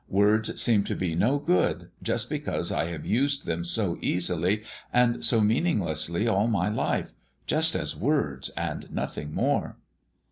Words seem to be no good, just because I have used them so easily and so meaninglessly all my life just as words and nothing more."